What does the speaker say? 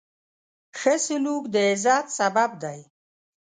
ښه سلوک د عزت سبب دی.